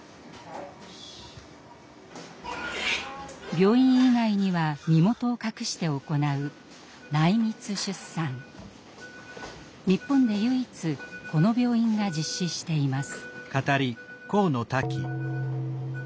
病院以外には身元を隠して行う日本で唯一この病院が実施しています。